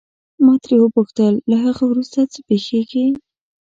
ما ترې وپوښتل له هغه وروسته څه پېښیږي.